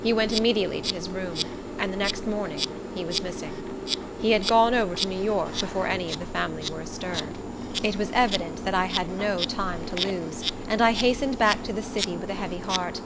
He went immediately to his room, and the next morning he was missing. He had gone over to New York, before any of the family were astir. It was evident that I had no time to lose; and I hastened back to the city with a heavy heart.